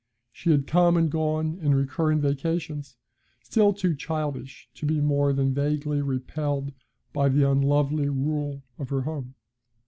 She had come and gone in recurring vacations, still too childish to be more than vaguely repelled by the unlovely rule of her home.